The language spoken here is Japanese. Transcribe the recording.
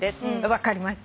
分かりました。